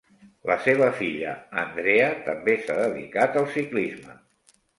La seva filla Andrea també s'ha dedicat al ciclisme.